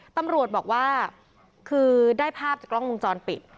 ตำรวจบอกว่าคือได้ภาพจากกล้องวงจรปิด